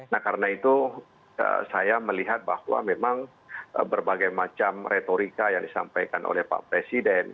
nah karena itu saya melihat bahwa memang berbagai macam retorika yang disampaikan oleh pak presiden